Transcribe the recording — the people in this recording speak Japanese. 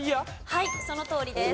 はいそのとおりです。